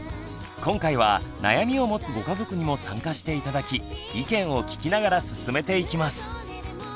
今回は悩みを持つご家族にも参加して頂き意見を聞きながら進めていきます。